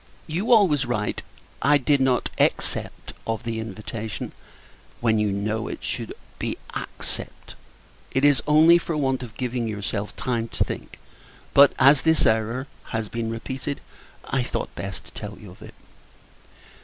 You always write "I did not except of the invitation;" when, you know, it should be "accept." It is, only, for want of giving yourself time to think; but, as this error has been repeated, I thought best to tell you of it.